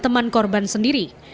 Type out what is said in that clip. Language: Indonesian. teman korban sendiri